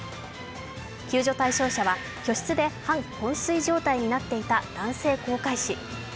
救助対象者は居室で半こん睡状態になっていた男性航海士。